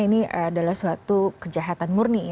ini adalah suatu kejahatan murni